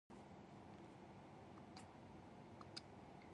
The Americans had already launched their carrier aircraft against the Japanese.